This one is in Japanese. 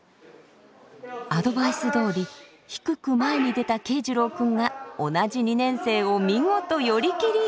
アドバイスどおり低く前に出た慶士郎君が同じ２年生を見事寄り切り。